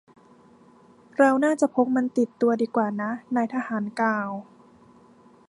เราน่าจะพกมันติดตัวดีกว่านะ นายทหารกล่าว